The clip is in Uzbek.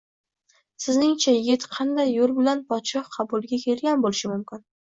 Sizning-cha, yigit qanday yo`l bilan podshoh qabuliga kelgan bo`lishi mumkin